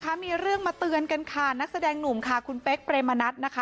มีเรื่องมาเตือนกันค่ะนักแสดงหนุ่มค่ะคุณเป๊กเปรมนัดนะคะ